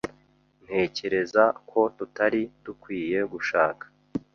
Ntekereza ko tutari dukwiye gushaka.